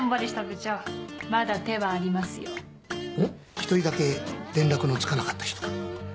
一人だけ連絡のつかなかった人が。